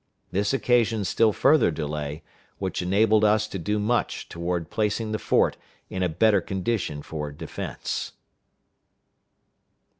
This occasioned still further delay, which enabled us to do much toward placing the fort in a better condition for defense.